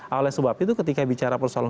nah oleh sebab itu ketika bicara persoalan